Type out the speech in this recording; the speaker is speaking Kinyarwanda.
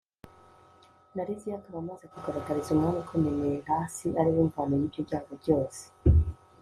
na liziya akaba amaze kugaragariza umwami ko menelasi ari we mvano y'ibyo byago byose